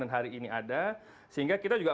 dan hari ini ada sehingga kita juga